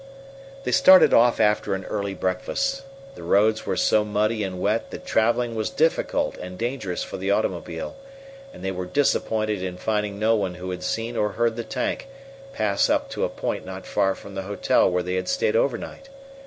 They started off after an early breakfast. The roads were so muddy and wet that traveling was difficult and dangerous for the automobile, and they were disappointed in finding no one who had seen or heard the tank pass up to a point not far from the hotel where they had stayed overnight.